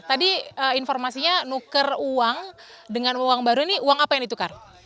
tadi informasinya nukar uang dengan uang uang baru ini uang apa yang ditukar